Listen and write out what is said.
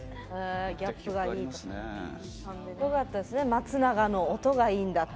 松永の音がいいんだって。